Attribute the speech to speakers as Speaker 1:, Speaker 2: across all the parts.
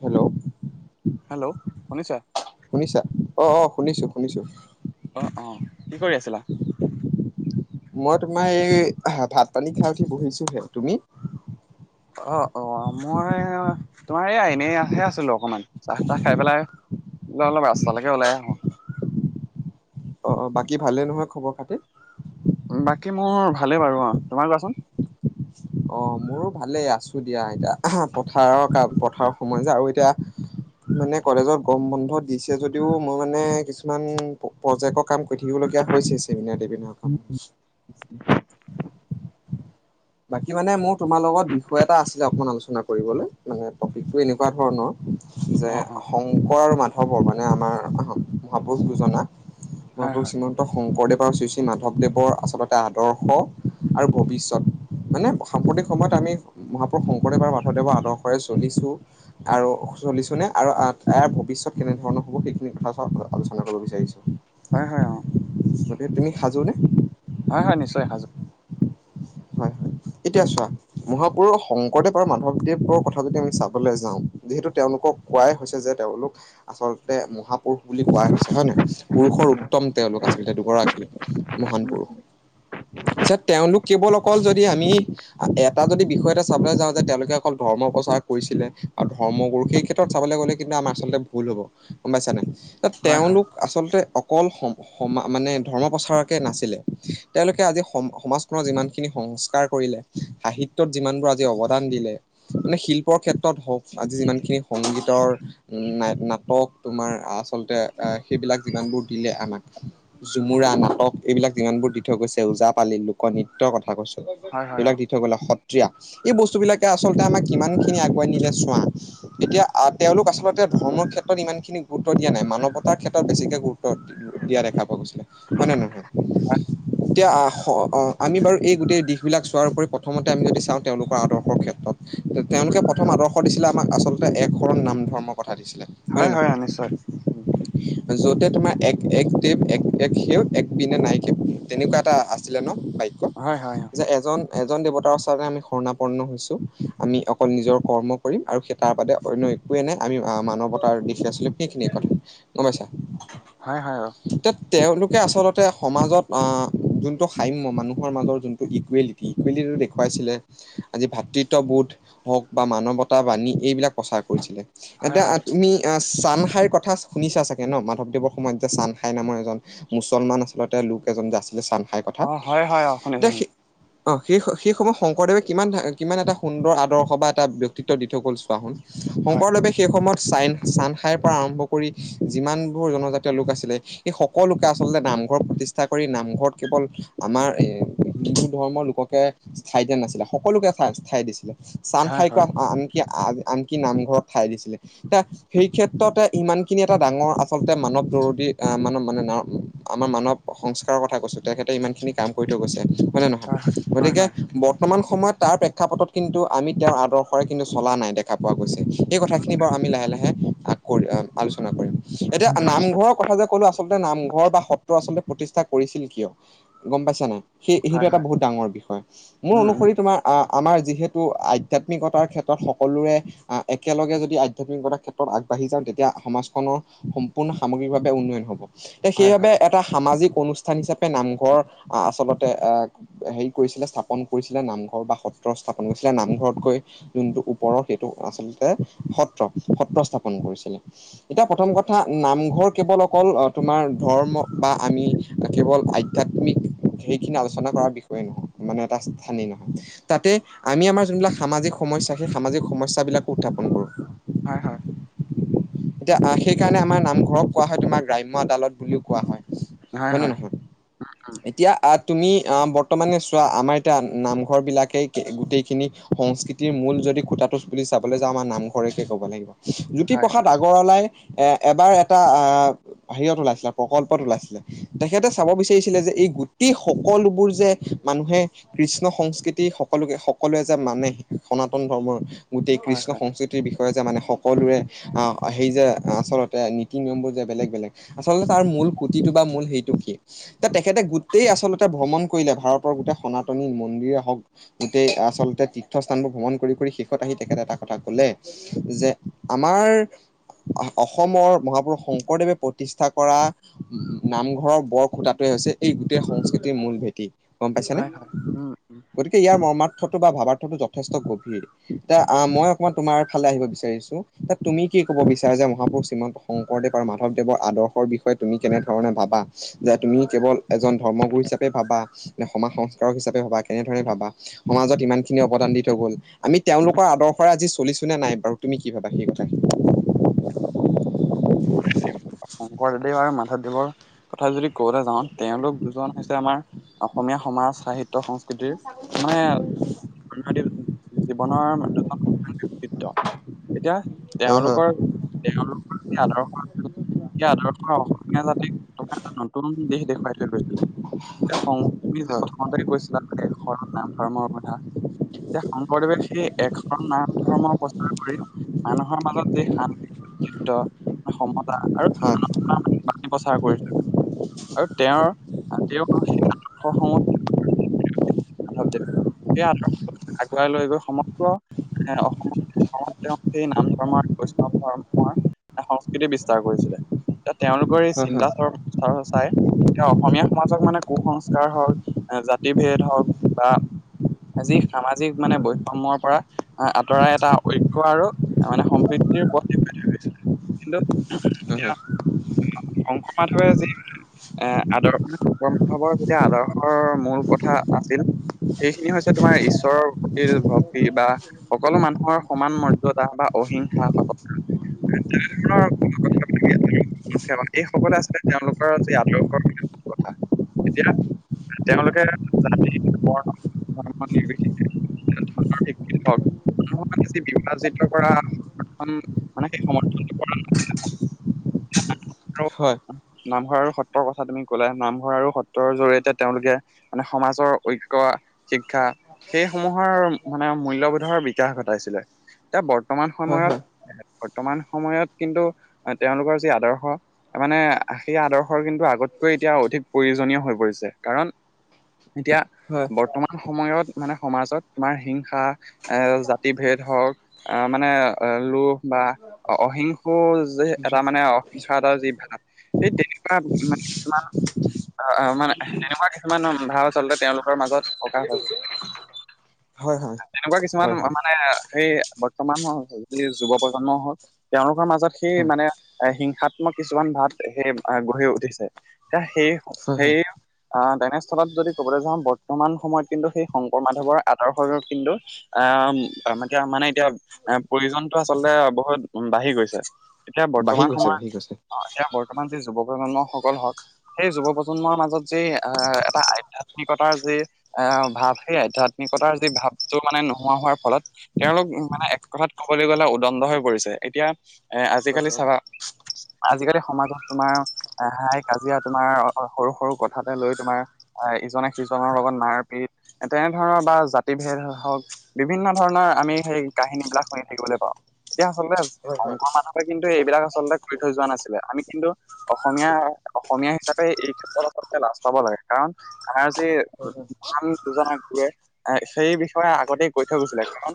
Speaker 1: Hello
Speaker 2: hello শুনিছা?
Speaker 1: শুনিছা? অ' অ', শুনিছোঁ শুনিছোঁ।
Speaker 2: অ' অ', কি কৰি আছিলা?
Speaker 1: মই তোমাৰ এই, আহ ভাত পানী খাই উঠি বহিছোহে। তুমি?
Speaker 2: অ' অ' মই, তোমাৰ এয়া এনেইহে আছিলোঁ অকমান। চাহ-তাহ খাই পেলাই অলপ ৰাস্তালেকে ওলাই আহোঁ।
Speaker 1: অ' বাকী ভালেই নহয় খবৰ খাতি?
Speaker 2: বাকী মোৰ ভালেই বাৰু অ' তোমাৰ কোৱাচোন?
Speaker 1: অ' মোৰো ভালেই আছোঁ দিয়া [unintelligible] পথাৰৰ কাম পথাৰৰ সময় যে আৰু এতিয়া মানে কলেজত গম, বন্ধ দিছে যদিও মই মানে কিছুমান প-প্ৰজেকৰ, কাম কৰি থাকিবলগীয়া হৈছে চছেমিনাৰ-টেমিনাৰ
Speaker 2: [inaudible]
Speaker 1: বাকী মানে মোৰ তোমাৰ লগত বিষয় এটা আছিলে অকমান আলোচনা কৰিবলে, মানে টপিকটো এনেকুৱা ধৰণৰ,
Speaker 2: অ
Speaker 1: যে
Speaker 2: অ
Speaker 1: শংকৰ আৰু মাধৱৰ, মানে আমাৰ মহাপুৰুষ দুজনা,
Speaker 2: হয়
Speaker 1: মাহাপুৰুষ
Speaker 2: হয়
Speaker 1: শ্ৰীমন শংকৰদেৱ আৰু শ্ৰী শ্ৰী মাধৱদেৱৰ, আচলতে আদৰ্শ আৰু ভৱিষ্যত মানে সাম্প্ৰতিক সময়ত আমি, মহাপুৰুষ শংকৰদেৱ আৰু মাধদেৱৰ আদৰ্শৰে চলিছো। আৰু চলিছো নে? আৰু আ, ইয়াৰ ভৱিষ্যত কেনেধৰণৰ হ'ব সেইখিনি কথা আলোচনা কৰিব বিচাৰিছোঁ।
Speaker 2: হয় হয়, অ'।
Speaker 1: গতিকে তুমি সাজু নে?
Speaker 2: হয় হয় নিশ্চয় সাজু।
Speaker 1: হয় হয়।
Speaker 2: [inaudible]
Speaker 1: এতিয়া চোৱা, মহাপুৰুষৰ শংকৰদেৱ আৰু মাধৱদেৱৰ কথা যদি আমি চাবলৈ যাওঁ, যিহেতু তেওঁলোকক কোৱাই হৈছে যে, তেওঁলোক আচলতে মহা পুৰুষ বুলি কোৱাই হৈছে হয়নে? পুৰুষৰ উত্তম তেওঁলোক আচলতে দুগৰাকী, মহান পুৰুষ।
Speaker 2: [inaudible]
Speaker 1: পিছত তেওঁলোক কেৱল অকল যদি আমি এটা যদি বিষয়তে চাবলৈ যাওঁ, যে তেওঁলোকে অকল ধৰ্ম প্ৰচাৰ কৰিছিলে আৰু ধৰ্ম গুৰু সেই ক্ষেত্ৰত চাবলৈ গ'লে কিন্তু আমাৰ আচলতে ভুল হ'ব, গম পাইছানে!
Speaker 2: হয় হয়
Speaker 1: তেওঁলোক আচলতে অকল সম-সমা মানে ধৰ্ম প্ৰচাৰকে নাছিলে, তেওঁলোকে আজি সম-সমাজখনৰ যিমান খিনি সংস্কাৰ কৰিলে, সাহিত্যত যিমানবোৰ আজি অৱদান দিলে মানে শিল্পৰ, ক্ষেত্ৰত হওক আজি যিমানখিনি সংগীতৰ ন-নাটক তোমাৰ আচলতে সেইবিলাক যিমানবোৰ দিলে আমাক জুমুৰা, নাটক, এইবিলাক যিমানবোৰ দি থৈ গৈছে ওজাপালি, লোকনৃত ত্য কথা কৈছো,
Speaker 2: হয় হয় অ
Speaker 1: এইবিলাক দি থৈ গ'লে। সত্ৰীয়া, এই বস্তু বিলাকে আচলতে আমাক কিমান খিনি আগুৱাই নিলে চোৱা, এতিয়া তেওঁলোক আচলতে ধৰ্ম ক্ষেত্ৰত ইমান খিনি গুৰুত্ব দিয়া নাই, মানৱতাৰ ক্ষেত্ৰত বেছিকে গুৰুত্ব দিয়া দেখা পোৱা গৈছিলে, হয় নে নহয়? এতিয়া আহ আমি বাৰু এই গোটেই দিশ বিলাক চোৱাৰ উপৰি, প্ৰথমতে আমি যদি চাওঁ তেওঁলোকৰ আদৰ্শৰ ক্ষেত্ৰত, তেওঁলোকে প্ৰথম আদৰ্শ দিছিলে আমাক আচলতে এক শৰণ নাম ধৰ্মৰ কথা দিছিলে। নে
Speaker 2: হয়,
Speaker 1: নহয়
Speaker 2: হয়, নিশ্চয়।
Speaker 1: য'তে তোমাৰ এক-এক দেৱ এক-এক সে এক বিনে নাই কেও, তেনেকুৱা এটা আছিলে ন বা ক্য,
Speaker 2: হয় হয় অ
Speaker 1: যে এজন এজন দেৱতাৰ ওচৰতে আমি শৰ্ণাপৰ্ন হৈছো। আমি অকল নিজৰ কৰ্ম কৰিম আৰু সেইটো তাৰ বাদে অন্য একোৱেই নাই, আমি মানৱতাৰ দিশে চলিম, সেইখিনিয়ে কথা গম পাইছা।
Speaker 2: হয়, হয়, অ।
Speaker 1: তে-তেওঁলোকে আচলতে সমাজত যোনটো সাম্য মানুহ মানুহৰ মাজৰ যোনটো ইকুৱেলিটি, ইকুৱেলিটিটো দেখুৱাইছিলে, আজি ভাতৃত্ববোধ হওক বা মানৱতা বাণী, এইবিলাক প্ৰচাৰ কৰিছিলে।
Speaker 2: হয়
Speaker 1: এতিয়া আ
Speaker 2: হয়
Speaker 1: তুমি ছান হাইৰ কথা শুনিছা চাগে ন! মাধৱদেৱৰ সময়ত যে ছান হাই নামৰ এজন মুছলমান আচলতে লোক এজন যে আছিলে, চান খাইৰ কথা।
Speaker 2: অ হয়, হয়, অ, শুনিছোঁ, শুনিছোঁ।
Speaker 1: অঁ, সেই সেই সময়ত শংকৰদেৱে কিমান, কিমান এটা সুন্দৰ আদৰ্শ বা এটা ব্যক্তিত্ব দি থৈ গ'ল চোৱা।
Speaker 2: হয়
Speaker 1: শংকৰদেৱে সেই সময়ত চাইন চান খাইৰ পৰা আৰম্ভ কৰি যিমানবোৰ জনজাতীয় লোক আছিলে সেই সকলোকে আচলতে নামঘৰ প্ৰতিষ্ঠা কৰি নামঘৰত কেৱল আমাৰ এ হিন্দু ধৰ্মৰ লোককে স্থাই দিয়া নাছিলে, সকলোকে স্থাই দিছিলে। চান
Speaker 2: হয়
Speaker 1: খাইকোৱা
Speaker 2: হয়
Speaker 1: আনকি-আনকি নামঘৰত ঠাই দিছিলে এ। সেই ক্ষেত্ৰতে ইমান খিনি এটা ডাঙৰ আচলতে মানৱ জৰুৰী আহ মান মানে ন আমাৰ মানুৱ সংস্কাৰৰ কথা কৈছো, তেখেতে ইমান খনি কাম কৰি থৈ গৈছে, হয় নে নহয়! গতিকে বৰ্তমান সময়ত তাৰ প্ৰেক্ষাপটত কিন্তু আমি তেওঁৰ আদৰ্শৰে কিন্তু চলা নাই, দেখা পোৱা গৈছে। এই কথাখিনি বাৰো আমি লাহে-লাহে কৰি আলোচনা কৰিম। এতিয়া নামঘৰৰ কথা যে ক'লো, আচলতে নামঘৰ বা সত্ৰ আচলতে প্ৰতিষ্ঠা কৰিছিল কিয়? গম পাইছা নাই, সেই সেইটো
Speaker 2: হয়
Speaker 1: এটা
Speaker 2: হয়
Speaker 1: বহুত ডাঙৰ বিষয়। মোৰ
Speaker 2: উম উম
Speaker 1: অনুসৰি তোমাৰ আমাৰ যিহেতু আধ্যাত্মিকতাৰ ক্ষেত্ৰত সকলোৰে একেলগে যদি আধ্যাত্মিকতাৰ ক্ষেত্ৰত আগবাঢ়ি যাওঁ তেতিয়া সমাজখনৰ সম্পূৰ্ণ সামৰিকভাৱে উন্নয়ন হ'ব। এ,
Speaker 2: হয়
Speaker 1: সেইবাবে
Speaker 2: হয়
Speaker 1: এটা সামাজিক অনুষ্ঠান হিচাপে নামঘৰ আহ আচলতে আহ হেৰি কৰিছিলে, স্থাপন কৰিছিলে, নামঘৰ বা সত্ৰ স্থাপন কৰিছিলে। নামঘৰত গৈ যোনটো ওপৰৰ সেইটো আচলতে সত্ৰ, সত্ৰ স্থাপন কৰিছিলে। এতিয়া প্ৰথম কথা নামঘৰ কেৱল অকল তোমাৰ ধৰ্ম বা আমি কেৱল আই ধ্যাত্মিক সেইখিনি আলোচনা কৰাৰ বিষয়ে নহয় মানে এটা স্থানেই নহয়। তাতে আমি আমাৰ যোনবিলাক সামাজিক সমস্যা সেই সামাজিক সমস্যাবিলাকো উত্থাপন কৰোঁ।
Speaker 2: হয়, হয়।
Speaker 1: এতিয়া আ সেইকাৰণে আমাৰ নামঘৰক কোৱা হয় তোমাৰ গ্ৰাম্য আদালত বুলি কোৱা হয়। হয় নে নহয়।
Speaker 2: আ, উম্।
Speaker 1: এতিয়া আহ তুমি আহ বৰ্তমানে চোৱা আমাৰ এতিয়া নামঘৰ বিলাকে গোটেইখিনি সংস্কৃতি মূল যদি খুটাটোচ বুলি চাবলৈ যাওঁ আমাৰ নামঘৰে ক'ব লাগিব। জ্যোতি
Speaker 2: হয়
Speaker 1: প্ৰসাদ আগৰৱালাই এ- এবাৰ এটা আহ হৰিয়ত ওলাইছিলে প্ৰকল্পত ওলাইছিলে। তেখেতে চাব বিচাৰিছিলে যে এই গোটেই সকলোবোৰ যে মানুহে। কৃষ্ণ সংস্কৃতি সকলোকে সকলোৱে যে মানে সনাতন ধৰ্মৰ গোটেই
Speaker 2: হয়
Speaker 1: কৃষ্ণ
Speaker 2: হয়
Speaker 1: সংস্কৃতিৰ বিষয়ে যে মানে সকলোৰে। অ' সেই যে আচলতে নীতি-নিয়মবোৰ যে বেলেগ বেলেগ আচলতে তাৰ মূল খুঁতিটো বা মূল সেইটো কি? এ তেখেতে গোটেই আচলতে ভ্ৰমণ কৰিলে ভাৰতৰ গোটেই সনাতনী মন্দিৰে হওঁক। গোটেই আচলতে তীৰ্থস্থানবোৰ ভ্ৰমণ কৰি কৰি শেষত আহি তেখেতে এটা কথা ক'লে যে আমাৰ আহ অসমৰ মহাপুৰুষ শংকৰদেৱে প্ৰতিষ্ঠা কৰা নামঘৰৰ বৰ খুঁটাটোৱে হৈছে এই গোটেই সংস্কৃতিৰ মূল ভেটি। গম পাইছে নে
Speaker 2: হয় হয় উম উম
Speaker 1: গতিকে ইয়াৰ মৰ্মাৰ্থটো বা ভাবাৰ্থটো যথেষ্ট গভীৰ। এ মই অকমান তোমাৰ ফালে আহিব বিচাৰিছো তুমি কি ক'ব বিচাৰা যে মহাপুৰুষ শ্ৰীমন্ত শংকৰদেৱ আৰু মাধৱদেৱৰ আদৰ্শ বিষয়ে তুমি কেনেধৰণে ভাবা। যে তুমি কেৱল এজন ধৰ্মগুৰু হিচাপে ভাবা নে, সমাজ সংস্কাৰক হিচাপে ভাবা কেনেধৰণে ভাবা। সমাজত ইমান খিনি অৱদান দি থৈ গ'ল আমি তেওঁলোকৰ আদৰ্শৰে আজি চলিছো নে নাই বাৰু তুমি কি ভাবা সেই কথা।
Speaker 2: শংকৰদেৱে আৰু মাধৱদেৱৰ কথা যদি ক'বলে যাওঁ তেওঁলোক দুজন হৈছে আমাৰ অসমীয়া সমাজ-সাহিত্য- সংস্কৃতিৰ মানে [unintelligible] জীৱনৰ দুজন [unintelligible] বক্তিত্ব। এতিয়া
Speaker 1: হয় হয়
Speaker 2: তেওঁলোকৰ, তেওঁলোকৰ যি আদৰ্শ আছিল সেই আদৰ্শ অসমীয়া জাতিক তোমাৰ এটা নতুন দিশ দেখুৱাই থৈ গৈছিলে। এ [inaudible] তুমি
Speaker 1: হয়
Speaker 2: প্ৰথমতে কৈছিলা [inaudible] সৰ নাম ধৰ্মৰ অৱধা। এতিয়া শংকৰদেৱে সেই একশৰণ নাম- ধৰ্ম প্ৰচাৰ কৰি মানুহৰ মাজত যে শান্তি [unintelligible] সমতা আৰু
Speaker 1: হয়
Speaker 2: [unintelligible] প্ৰচাৰ কৰি [unintelligible] আৰু তেওঁৰ তেওঁত [inaudible] [inaudible] মাধৱদেৱ এই আদৰ্শ আগুৱাই লৈ গৈ সমগ্ৰ অসমত, অসমত তেওঁ সেই নাম ধৰ্মৰ বৈষ্ণৱ ধৰ্মৰ সংস্কৃতি বিস্তাৰ কৰিছিলে। এই তেওঁলোকৰ এই
Speaker 1: হয়
Speaker 2: চিন্তা চৰ্চা চাই। তেওঁ অসমীয়া সমাজক মানে কু-সংস্কাৰ হওঁক জাতি ভেদ হওঁক বা আজি সামাজিক মানে বৈষম্যৰ পৰা আঁতৰাই এটা ঐক্য আৰু মানে সম্প্ৰিতিৰ [unintelligible]
Speaker 1: হ', হ'।
Speaker 2: শংকৰ-মাধৱে যি এ আদৰ্শ শংকৰ- মাধৱৰ যেতিয়া আদৰ্শৰ মূল কথা আছিল সেইখিনি হৈছে তোমাৰ ঈশ্বৰৰ প্ৰতি ভক্তি বা সকলো মানুহৰ সমান মৰ্যদা বা অহিংসা। [unintelligible] এই সকলে আছিল তেওঁলোকৰ যি আদৰ্শৰ কথা। এতিয়া তেওঁলোকে জাতি বৰ্ণ ধৰ্ম নিৰ্বিশেষে। কোনো ধৰনৰ সেইখিনি হওঁক। মানুহক বেছি বিভাজিত কৰা সমৰ্থন মানে সেই সময়ত।
Speaker 1: হয়
Speaker 2: [unintelligible] নামঘৰ আৰু সত্ৰৰ কথা তুমি কলাই নামঘৰ আৰু সত্ৰৰ জৰিয়তে তেওঁলোকে। মানে সমাজৰ ঐক্য শিক্ষা। সেই সমূহৰ মানে মূল্যবোধৰ বিকাশ ঘটাইছিলে। এতিয়া বৰ্তমান
Speaker 1: হয় হয় হয়
Speaker 2: সময়ত বৰ্তমান সময়ত কিন্তু তেওঁলোকৰ যি আদৰ্শ। মানে সেই আদৰ্শৰ কিন্তু আগতকৈ এতিয়া অধিক প্ৰয়োজনীয় হৈ পৰিছে কাৰণ। এতিয়া।
Speaker 1: হয়
Speaker 2: বৰ্তমান সময়ত মানে সমাজত তোমাৰ হিংসা এ জাতি ভেদ হওঁক। আহ মানে লোভ বা অহিংশু যে এটা মানে। হিংসা এটা যি ভাৱ সেই তেনেকোৱা মানে তোমাৰ। অ অ মানে তেনেকুৱা কিছুমান ভাৱ আচলতে তেওঁলোকৰ মাজত।
Speaker 1: হয় হয় হয় হয় হয় হয় হয়
Speaker 2: তেনেকুৱা কিছুমান
Speaker 1: হয়
Speaker 2: মানে সেই। [unintelligible] যি যুৱ প্ৰজন্ম হওঁক তেওঁলোকৰ মাজত সেই
Speaker 1: হয়
Speaker 2: মানে এ হিংসাত। কিছুমান ভাৱ সেই গঢ়ি উঠিছে সেই
Speaker 1: হয় হয়
Speaker 2: সেই। আহ তেনেস্থলত যদি কবলৈ যাওঁ বৰ্তমান সময়ত কিন্তু সেই শংকৰ মাধৱৰ আদৰ্শ কিন্তু। আহ এতিয়া মানে এতিয়া এ প্ৰয়োজনতটো আচলতে বহুত বাঢ়ি গৈছে। এতিয়া
Speaker 1: বাঢ়ি
Speaker 2: বৰ্তমান
Speaker 1: গৈছে বাঢ়ি গৈছে।
Speaker 2: সময়ত অ এতিয়া বৰ্তমান যি যুৱ প্ৰজন্ম সকল হওঁক। সেই যুৱ প্ৰজন্মৰ মাজত যি আহ এটা আধ্যাত্মিকতাৰ যি। আহ ভাৱ সেই আধ্যাত্মিকতাৰ যি ভাৱটো মানে নোহোৱা হোৱাৰ ফলত। তেওঁলোক মানে এক কথাত ক'বলৈ গ'লে উদণ্ড হৈ পৰিছে এতিয়া এ
Speaker 1: হয়
Speaker 2: আজিকালি
Speaker 1: হয়
Speaker 2: চাবা। আজিকালি সমাজত তোমাৰ। এ হাই কাজিয়া তোমাৰ সৰু সৰু কথাতে লৈ তোমাৰ। আহ ইজনে সিজনৰ লগত মাৰ পিত তেনেধৰণৰ বা জাতি ভেদ হওঁক। বিভিন্ন ধৰণৰ আমি সেই কাহিনী বিলাক শুনি থাকিবলৈ পাওঁ এতিয়া আচলতে।
Speaker 1: হয় হয়।
Speaker 2: শংকৰ মাধৱে কিন্তু এইবিলাক আচলতে কৰি থৈ যোৱা নাছিলে আমি কিন্তু। অসমীয়া অসমীয়া হিচাপে এই ক্ষেত্ৰত আচলতে লাজ পাব লাগে কাৰণ আমাৰ যি। ভাল। [unintelligible] সেই বিষয়ে আগতেই কৈ থৈ গৈছিলে কাৰণ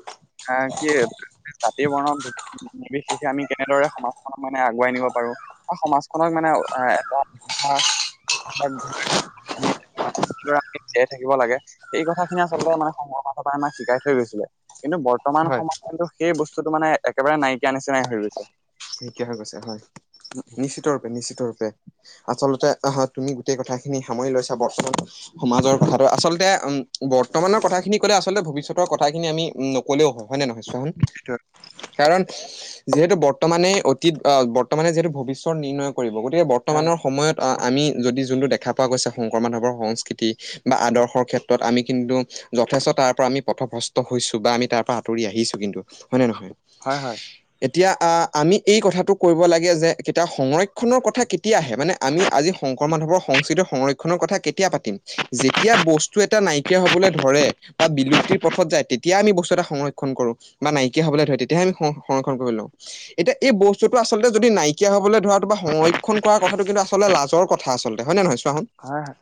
Speaker 2: এ কি। তাতে বনাম। বিশেষে আমি কেনেদৰে সমাজখনক মানে আগুৱাই নিব পাৰো আৰু সমাজখনক মানে এটা। [unintelligible] ল'ৰা জীয়াই থাকিব লাগে সেই কথা খিনি আচলতে মানে [unintelligible] পৰা আমাক শিকাই থৈ গৈছিলে। কিন্তু বৰ্তমান
Speaker 1: হয়
Speaker 2: সময়ত কিন্তু সেই বস্তুটো মানে একেবাৰে নাইকিয়া নিচিনাই হৈ গৈছে।
Speaker 1: নাইকিয়া হৈ গৈছে হয় নিশ্চিত ৰূপে নিশ্চিত ৰূপে। আচলতে আহ তুমি গোটেই কথাখিনি সামৰি লৈছা বৰ্তমান সমাজৰ কথাটো আচলতে। বৰ্তমানৰ কথাখিনি কলে আচলতে ভৱিষ্যতৰ কথাখিনি আমি নক'লেও হয়। হয় নে নহয় চোৱা চোন কাৰণ যিহেতু বৰ্তমানে। অতীত বৰ্তমানে যিহেতু ভৱিষ্যত নিৰ্ণয় কৰিব গতিকে
Speaker 2: হয়
Speaker 1: বৰ্তমানৰ সময়ত। আমি যদি যোনটো দেখা পোৱা গৈছে শংকৰ মাধৱৰ সংস্কৃতি। বা আদৰ্শৰ ক্ষেত্ৰত আমি কিন্তু, যথেষ্ট তাৰ পৰা আমি পথভ্ৰষ্ট হৈছো বা আমি তাৰ পৰা আঁতৰি আহিছো কিন্তু, হয় নে নহয়?
Speaker 2: হয় হয়।
Speaker 1: এতিয়া আ আমি, এই কথাটো কৰিব লাগে যে কেতিয়া সংৰক্ষণৰ কথা কেতিয়া আহে মানে আমি আজি শংকৰ মাধৱৰ সংস্কৃতি সংৰক্ষণ খনৰ কথা কেতিয়া পাতিম, যেতিয়া বস্তু এটা নাইকিয়া হ'বলৈ ধৰে বা বিলুপ্তিৰ পথত যায় তেতিয়া আমি বস্তু এটা সংৰক্ষণ কৰো। বা নাইকিয়া হবলৈ ধৰে তেতিয়াহে আমি সংৰক্ষণ কৰিব লওঁ, এতিয়া এই বস্তুটো আচলতে যদি নাইকিয়া হবলৈ ধৰাটো বা সংৰক্ষণ কৰাৰ কথাটো কিন্তু আচলতে লাজৰ কথা আচলতে হয় নে নহয় চোৱাচোন।
Speaker 2: হয় হয়।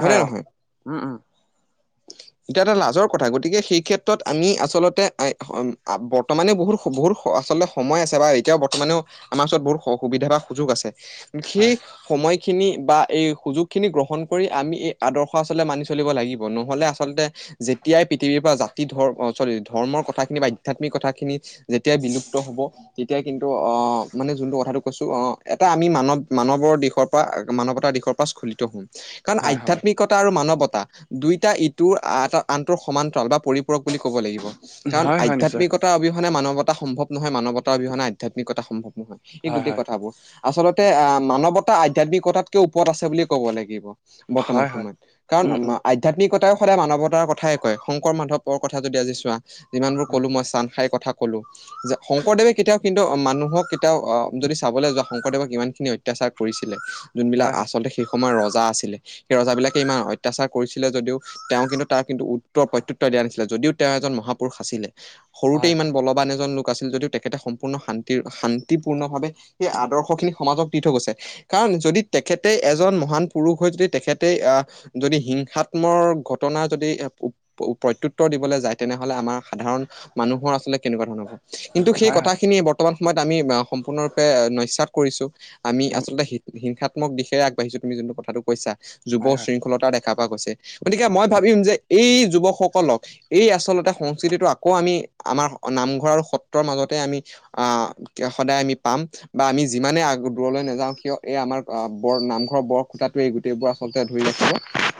Speaker 1: হয়নে
Speaker 2: হয় অ
Speaker 1: নহয়?
Speaker 2: [inaudible]
Speaker 1: এয়া এটা লাজৰ কথা, গতিকে সেই ক্ষেত্ৰত আমি আচলতে বৰ্তমানে বহুত বহুত আচলতে সময় আছে বা এতিয়াও বৰ্তমানেও আমাৰ ওচৰত বহুত স সুবিধা বা সুযোগ আছে সেই
Speaker 2: হয়
Speaker 1: সময়খিনি বা এই সুযোগখিনি গ্ৰহণ কৰি আমি এই আদৰ্শ আচলতে মানি চলিব লাগিব নহ'লে আচলতে, যেতিয়াই পৃথিৱীৰ পৰা জাতি ধ চৰি ধৰ্মৰ কথাখিনি বা আধ্যাত্মিক কথাখিনি যেত তিয়াই বিলুপ্ত হ'ব, তেতিয়াই কিন্তু অ মানে যোনটো কথাটো কৈছো অ এটা আমি মানৱ মানৱৰ দিশৰ পৰা মানৱতা দিশৰ পৰা স্খলিত হম, কাৰণ
Speaker 2: হয় হয়
Speaker 1: আধ্যাত্মিক ঐক্যতা আৰু মানৱতা দুয়োটা ইটোৰ আনটোৰ সমান্তৰাল বা পৰিপূৰক বুলি ক'ব লাগিব। কাৰণ
Speaker 2: হয় হয় নিশ্চয়
Speaker 1: আধ্যাত্মিকতা অবিহনে মানৱতা সম্ভৱ নহয়, মানৱতা অবিহনে আধ্যাত্মিকতা সম্ভৱ নহয়। এই
Speaker 2: হয়
Speaker 1: গোটেই
Speaker 2: হয়
Speaker 1: কথাবোৰ, আচলতে আহ মানৱতা আধ্যয়াত্মিকতাতকে ওপৰত আছে বুলি ক'ব লাগিব বৰ্তমান
Speaker 2: হয় হয়
Speaker 1: সময়ত কাৰণ
Speaker 2: উম
Speaker 1: আ
Speaker 2: উম
Speaker 1: মা আধ আধ্যাত্মিকতাইও সদায় মানৱতাৰ কথাই কয় শংকৰ মাধৱৰ কথা যদি আজি চোৱা যিমানবোৰ
Speaker 2: হয়
Speaker 1: কলো মই চান খাইৰ কথা কলো, যে শংকৰদেৱে কেতিয়াও কিন্তু মানুহক এতিয়াও অ যদি চাবলৈ যোৱা শংকৰদেৱক ইমান খিন অত্যাচাৰ কৰিছিলে যোনবিলাক
Speaker 2: হয়
Speaker 1: আচলতে সেই সময়ত ৰজা আছিলে, সেই ৰজাবিলাকে ইমান অত্যাচাৰ কৰিছিলে যদিও তেওঁ কিন্তু তাৰ কিন্তু উত্তৰ প্ৰত্যুত্তৰ দিয়া নাছিলে যদিও তেওঁ এজন মহাপুৰুষ আছিলে সৰুতে
Speaker 2: হয় হয়
Speaker 1: ইমান বল লোক আছিল যদিও তেখেতে সম্পূৰ্ণ শান্তি শান্তিপূৰ্ণ ভাৱে সেই আদৰ্শ খিনি সমাজক দি থৈ গৈছে। কাৰণ যদি তেখেতে এজন মহান পুৰুষ হৈ যদি তেখেতে আহ, যদি হিংসাত্মৰ ঘটনা যদি এ উপ প্ৰত্যুত্তৰ দিবলৈ যায় তেনেহলে আমাৰ সাধাৰণ মানুহৰ আচলতে কেনেকুৱা ধৰণৰ হ'ব। কিন্তু সেই
Speaker 2: হয় হয়
Speaker 1: কথাখিনি বৰ্তমান সময়ত আমি সম্পূৰ্ণৰূপে নস্যাৎ কৰিছো। আমি
Speaker 2: উম
Speaker 1: আচলতে হিংসাত্মক দিশে আগাঢিছো তুমি যোনটো কথাটো কৈছা যুৱ
Speaker 2: হয় হয়
Speaker 1: শৃংখলতা দেখা দেখা পা কৈছে, গতিকে মই ভাবিম যে এই যুৱকসকলক এই আচলতে সংস্কৃতিটো আকৌ আমি আমাৰ নামঘৰ আৰু সত্ৰৰ মাজতে আমি আহ তেতিয়া সদায় আমি পাম, বা আমি যিমানে আগ দূৰলৈ নাযাও কিয়, এই আমাৰ বৰ নামঘৰৰ বৰ খুটাটোৱে এই গোটেইবোৰ আচলতে ধৰি ৰাখি থাকিব।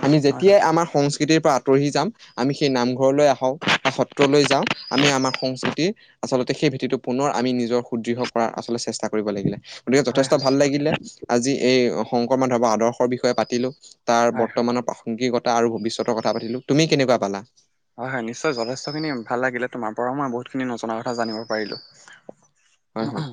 Speaker 1: আমি
Speaker 2: হয়
Speaker 1: যেতিয়াই
Speaker 2: হয়
Speaker 1: আমাৰ সংস্কৃতিৰ পৰা আঁতৰি যাম, আমি সেই নামঘৰলৈ আহো- বা সত্ৰলৈ যাওঁ, আমি আমাৰ সংস্কৃতিৰ- আচলতে সেই ভেতিটো পুনৰ আমি নিজৰ সু্দৃঢ় কৰাৰ আচলতে চেষ্টা কৰোঁ। কৰিব লাগিলে, গতিকে
Speaker 2: হয়
Speaker 1: যথেষ্ট
Speaker 2: হয়
Speaker 1: ভাল লাগিলে, আজি এই শংকৰ মাধৱৰ আদৰ্শৰ বিষয়ে পাতিলো। তাৰ
Speaker 2: হয় হয়
Speaker 1: বৰ্তমানৰ প্ৰাসংগিকতা আৰু ভৱিষ্যতৰ কথা পাতিলো, তুমি কেনেকুৱা পালা?
Speaker 2: হয় হয় নিশ্চয় যথেষ্ট খিনি ভাল লাগিলে, তোমাৰ পৰাও মই বহুতখিনি নজনা কথা জানিব পাৰিলো।
Speaker 1: হয় হয়।